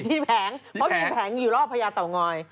แผงเพราะมีแผงอยู่รอบพญาเต่างอย